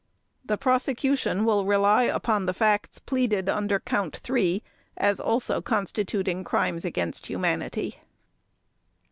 The Prosecution will rely upon the facts pleaded under Count Three as also constituting Crimes against Humanity.